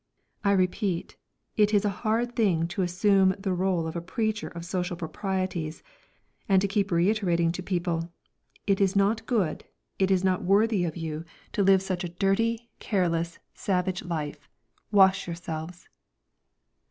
I repeat it is a hard thing to assume the rôle of a preacher of social proprieties and to keep reiterating to people: "It is not good, it is unworthy of you to live such a dirty, careless, savage life wash yourselves!"